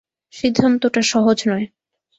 সিদ্ধান্তটা সহজ নয়।